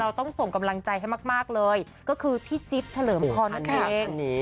เราต้องส่งกำลังใจให้มากมากเลยก็คือพี่จิ๊บเฉลิมคอนเทคอ๋ออันนี้